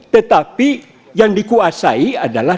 tetapi yang dikuasai adalah